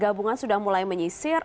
gabungan sudah mulai menyisir